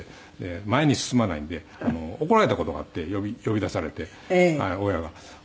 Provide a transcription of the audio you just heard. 前に進まないんで怒られた事があって呼び出されて親が。